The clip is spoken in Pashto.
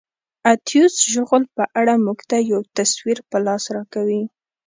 اتیوس شغل په اړه موږ ته یو تصویر په لاس راکوي.